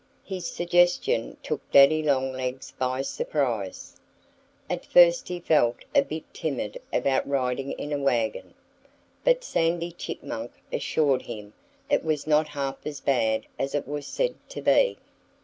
His suggestion took Daddy Longlegs by surprise. At first he felt a bit timid about riding in a wagon. But Sandy Chipmunk assured him it was not half as bad as it was said to be.